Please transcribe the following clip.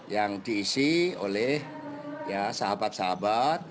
yang diisi oleh sahabat sahabat